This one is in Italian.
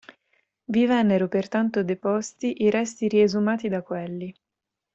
Vi vennero pertanto deposti i resti riesumati da quelli.